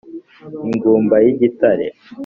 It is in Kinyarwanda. Ingumba y'igitare